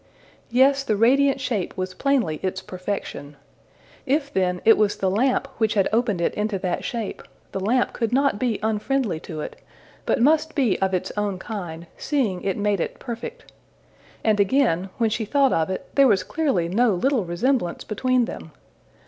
Yes: the radiant shape was plainly its perfection! If, then, it was the lamp which had opened it into that shape, the lamp could not be unfriendly to it, but must be of its own kind, seeing it made it perfect! And again, when she thought of it, there was clearly no little resemblance between them.